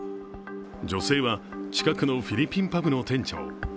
女性は近くのフィリピンパブの店長。